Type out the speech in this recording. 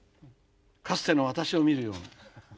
かつての私を見るような。